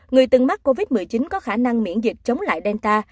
người từng mắc covid một mươi chín có khả năng miễn dịch chống lại delta